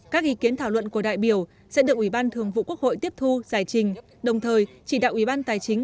các ý kiến thảo luận của đại biểu sẽ được ủy ban thường vụ quốc hội tiếp thu giải trình đồng thời chỉ đạo ủy ban tài chính